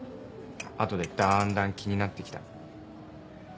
後でだんだん気になってきた。